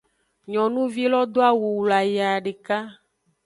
Nyonuvi lo do awu wlayaa deka.